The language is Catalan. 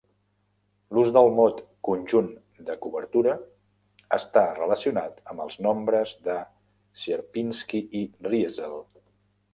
L'ús del mot "conjunt de cobertura" està relacionat amb els nombres de Sierpinski i Riesel.